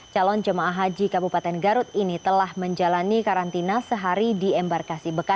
calon jemaah haji kabupaten garut ini telah menjalani karantina sehari di embarkasi